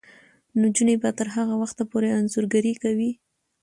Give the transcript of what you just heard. نجونې به تر هغه وخته پورې انځورګري کوي.